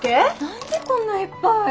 何でこんないっぱい。